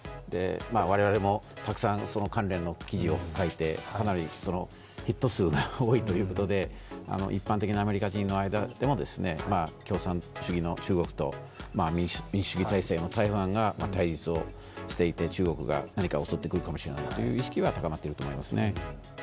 我々もたくさんその関連の記事を書いて、かなりヒット数が多いということで一般的なアメリカ人の間でも共産主義の中国と民主主義体制の台湾が対立をしていて中国が何か襲ってくるかもしれないという意識は高まっていると思いますね。